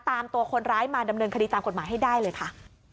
ตามตัวคนร้ายมาดำเนินคดีตามกฎหมายให้ได้เลยค่ะ